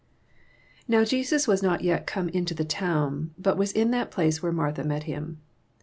80 Now JesoB was not yet oome into the town, but was in that plaoe where Martha met him.